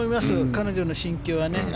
彼女の心境はね。